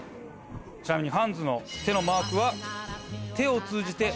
ちなみにハンズの手のマークは。